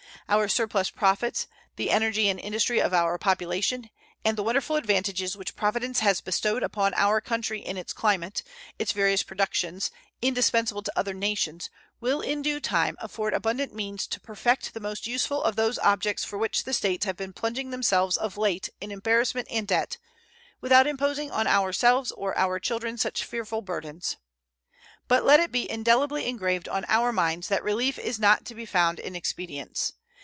Our surplus profits, the energy and industry of our population, and the wonderful advantages which Providence has bestowed upon our country in its climate, its various productions, indispensable to other nations, will in due time afford abundant means to perfect the most useful of those objects for which the States have been plunging themselves of late in embarrassment and debt, without imposing on ourselves or our children such fearful burdens. But let it be indelibly engraved on our minds that relief is not to be found in expedients.